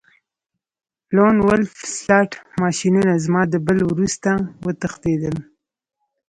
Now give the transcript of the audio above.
لون وولف سلاټ ماشینونه زما د بل وروسته وتښتیدل